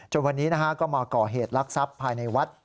วันนี้ก็มาก่อเหตุลักษัพภายในวัด